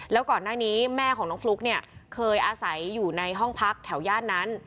แล้วก่อนหน้านี้แม่ของน้องฟลุ๊กเนี่ยเคยอาศัยอยู่ในห้องพักแถวย่านนั้น